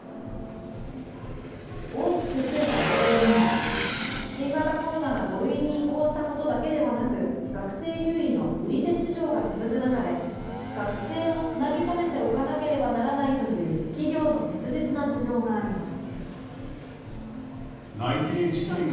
大きく増えた背景には新型コロナが５類に移行したことだけではなく学生優位の売り手市場が続く中で学生を繋ぎとめておかなければならないという企業の切実な事情があります。